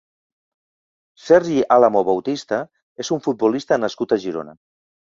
Sergi Álamo Bautista és un futbolista nascut a Girona.